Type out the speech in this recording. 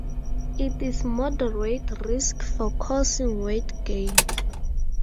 It is moderate risk for causing weight gain.